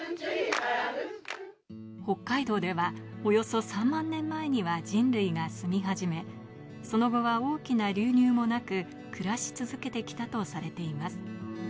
北海道ではおよそ３万年前には人類が住みはじめ、その後は大きな流入もなく暮らし続けてきたとされています。